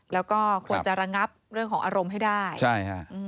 แล้วก็ควรจะระงับารูปมือให้ได้